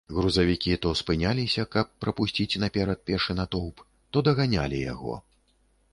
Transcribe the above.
Грузавікі то спыняліся, каб прапусціць наперад пешы натоўп, то даганялі яго.